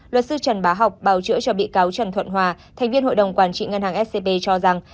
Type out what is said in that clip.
luật sư trần bá học bào chữa cho bị cáo trần thuận hòa thành viên hội đồng quản trị ngân hàng scb cho rằng